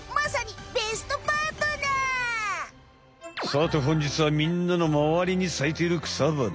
さてほんじつはみんなのまわりに咲いている草花。